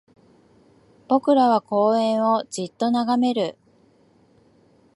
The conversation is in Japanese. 僕らは公園をじっと眺める